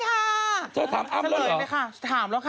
เธอจะถามอ้ำแล้วเหรอแล้วก็เฉลยไหมค่ะถามแล้วค่ะ